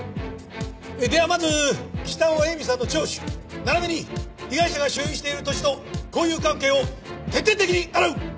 ではまず北尾映見さんの聴取並びに被害者が所有している土地と交友関係を徹底的に洗う。